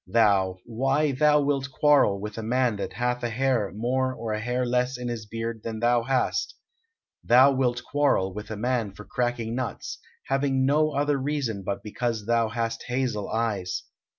"Thou! Why, thou wilt quarrel with a man that hath a hair more or a hair less in his beard than thou hast; thou wilt quarrel with a man for cracking nuts, having no other reason but because thou hast hazel eyes.